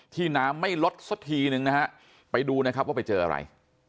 น้ำไม่ลดสักทีนึงนะฮะไปดูนะครับว่าไปเจออะไร